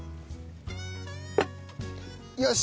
よし！